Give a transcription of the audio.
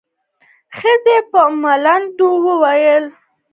ښځې په ملنډو وويل.